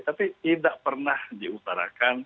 tapi tidak pernah diutarakan